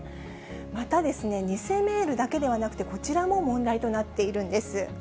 またですね、偽メールだけではなくて、こちらも問題となっているんです。